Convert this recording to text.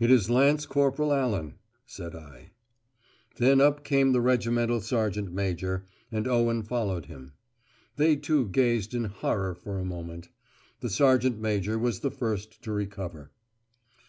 "It is Lance Corporal Allan," said I. Then up came the regimental sergeant major, and Owen followed him. They too gazed in horror for a moment. The sergeant major was the first to recover.